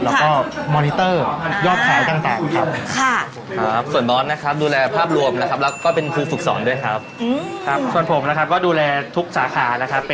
แล้วก็มอนิเตอร์ยอดขายต่างครับ